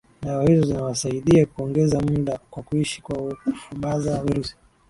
dawa hizo zinawasaidia kuongeza muda wa kuishi kwa kufubaza virusi